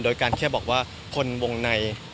โดยการแค่บอกว่าคนวงใน